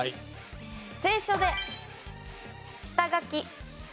清書で下書き。